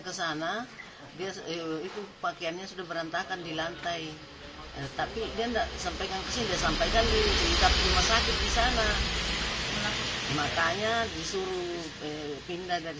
tetapi katanya dia tidak ingin untuk pindah karena sebenarnya kasihan ini